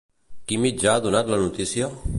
Quin mitjà ha donat la notícia?